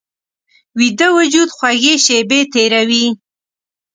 ویده وجود خوږې شیبې تېروي